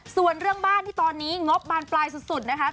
ส่วนเรื่องบ้านที่ตอนนี้งบบานปลายสุดนะคะ